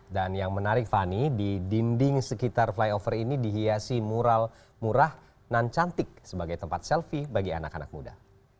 dan yang menarik fani di dinding sekitar flyover ini dihiasi mural murah dan cantik sebagai tempat selfie bagi anak anak muda